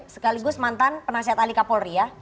sekaligus mantan penasihat ali kapolri ya